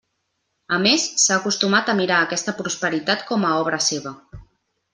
A més, s'ha acostumat a mirar aquesta prosperitat com a obra seva.